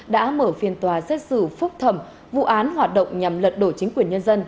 đã mở phiên tòa xét xử phúc thẩm vụ án hoạt động nhằm lật đổ chính quyền nhân dân